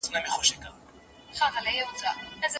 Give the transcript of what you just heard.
ړوند ډاکټر باید په ګڼ ځای کي اوږده کیسه وکړي.